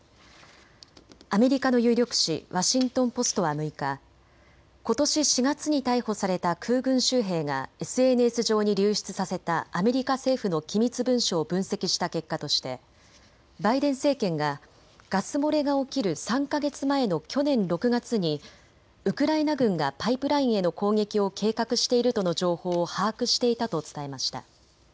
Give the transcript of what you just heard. アメリカの有力紙、ワシントン・ポストは６日、ことし４月に逮捕された空軍州兵がＳＮＳ上に流出させたアメリカ政府の機密文書を分析した結果としてバイデン政権がガス漏れが起きる３か月前の去年６月にウクライナ軍がパイプラインへの攻撃を計画しているとの情報を把握していたと伝えました。